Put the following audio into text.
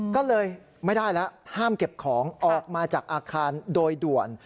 ก็เลยไม่ได้แล้วห้ามเก็บของออกมาจากอาคารโดยด่วน